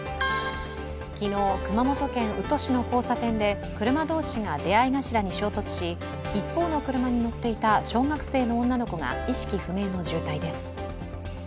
昨日、熊本県宇土市の交差点で車同士が出会い頭に衝突し一方の車に乗っていた小学生の女の子が意識不明の重体です。